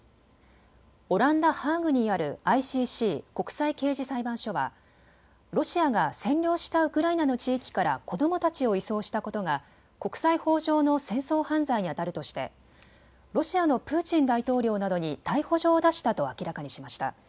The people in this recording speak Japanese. オランダ・ハーグにあるＩＣＣ・国際刑事裁判所はロシアが占領したウクライナの地域から子どもたちを移送したことが国際法上の戦争犯罪にあたるとしてロシアのプーチン大統領などに逮捕状を出したと明らかにしました。